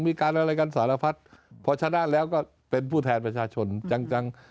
มีการอะไรกันสารพัดพอชนะแล้วก็เป็นผู้แทนประชาชนจังจัง